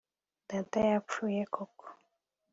Data yapfuye koko